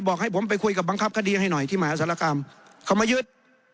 ให้ผมไปคุยกับบังคับคดีให้หน่อยที่มหาศาลกรรมเขามายึด